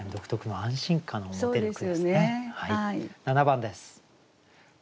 ７番です。